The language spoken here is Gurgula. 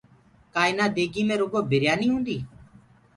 ڪآ آنآ ديگي مي رگو بريآني هوندي